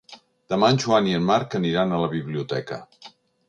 Demà en Joan i en Marc aniran a la biblioteca.